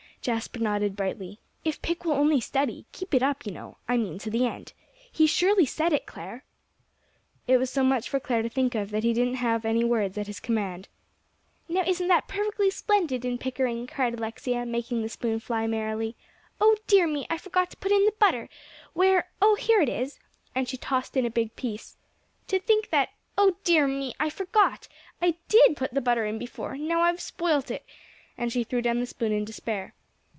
Jasper nodded brightly. "If Pick will only study; keep it up, you know, I mean to the end. He surely said it, Clare." It was so much for Clare to think of, that he didn't have any words at his command. "Now isn't that perfectly splendid in Pickering!" cried Alexia, making the spoon fly merrily. "Oh dear me! I forgot to put in the butter. Where oh, here it is," and she tossed in a big piece. "To think that oh dear me, I forgot! I did put the butter in before. Now I've spoilt it," and she threw down the spoon in despair.